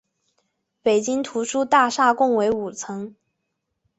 北京图书大厦共五层。